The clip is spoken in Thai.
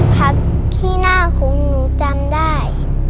ผักขี้หน้าของหนูจำได้